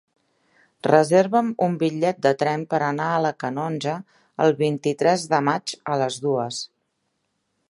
Reserva'm un bitllet de tren per anar a la Canonja el vint-i-tres de maig a les dues.